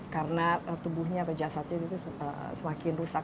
karena tubuhnya atau jasadnya itu semakin rusak